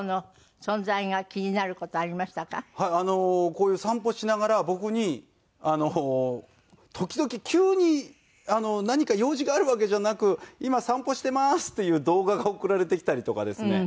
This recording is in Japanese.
こういう散歩しながら僕に時々急に何か用事があるわけじゃなく「今散歩しています」っていう動画が送られてきたりとかですね。